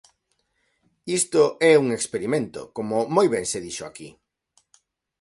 Isto é un experimento, como moi ben se dixo aquí.